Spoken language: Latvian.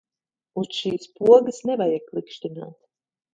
Uz šīs pogas nevajag klikšķināt.